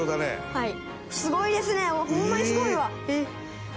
「はい」